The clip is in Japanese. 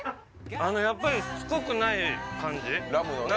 あのやっぱりしつこくない感じラムのね